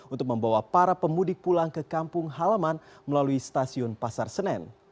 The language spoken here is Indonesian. untuk membawa para pemudik pulang ke kampung halaman melalui stasiun pasar senen